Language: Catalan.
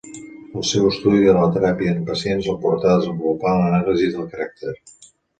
El seu estudi de la teràpia en pacients el portà a desenvolupar l'anàlisi de caràcter.